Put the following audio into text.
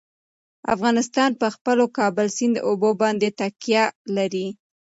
افغانستان په خپلو کابل سیند اوبو باندې تکیه لري.